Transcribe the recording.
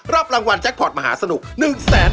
รับรางวัลแจ๊คพอร์ตมหาสนุก๑๐๐๐๐๐บาท